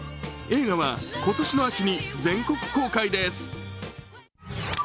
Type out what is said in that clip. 映画は今年の秋に全国公開です。